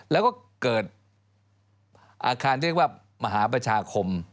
แล้วก็เกิดอาคารเรียกว่ามหาประชาคม